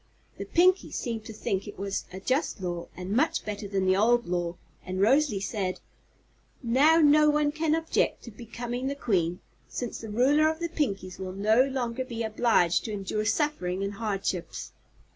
The Pinkies seemed to think it was a just law and much better than the old one, and Rosalie said: "Now no one can object to becoming the Queen, since the Ruler of the Pinkies will no longer be obliged to endure suffering and hardships."